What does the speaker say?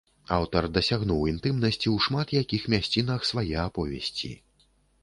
Аўтар дасягнуў інтымнасці ў шмат якіх мясцінах свае аповесці.